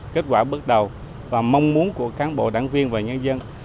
kết quả bước đầu và mong muốn của cán bộ đảng viên và nhân dân